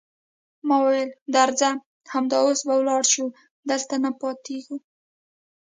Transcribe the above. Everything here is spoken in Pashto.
ما وویل: درځه، همدا اوس به ولاړ شو، دلته نه پاتېږو.